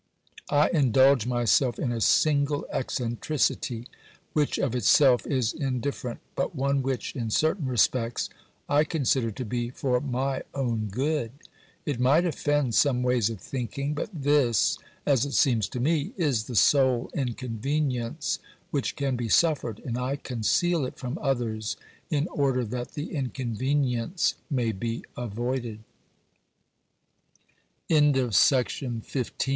I indulge myself in a single eccentricity which of itself is indifferent, but one which, in certain respects, I consider to be for my own good. It might offend some ways of thinking, but this, as it seems to me, is the sole inconvenience which can be suffered, and I conceal it from others in order that the inconven